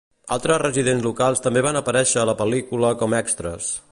Altres residents locals també van aparèixer a la pel·lícula com extres.